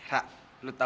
ra lo tau gak